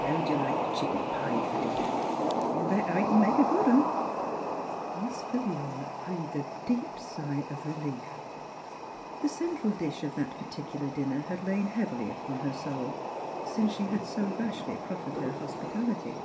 How'd you like a chicken pie fer dinner? You bet I c'n make a good one !" Miss Philura breathed a deep sigh of relief. The central dish of that particu lar dinner had lain heavily upon her soul, since she had so rashly proffered her hos pitality.